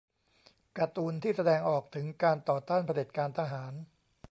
การ์ตูนที่แสดงออกถึงการต่อต้านเผด็จการทหาร